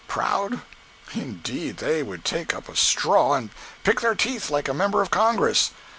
—proud? Indeed, they would take up a straw and pick their teeth like a member of Congress.